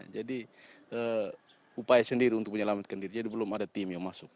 jadi upaya sendiri untuk menyelamatkan diri jadi belum ada tim yang masuk